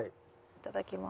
いただきます。